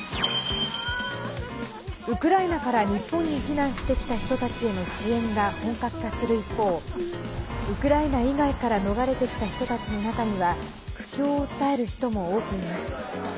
ウクライナから日本に避難してきた人たちへの支援が本格化する一方ウクライナ以外から逃れてきた人たちの中には苦境を訴える人も多くいます。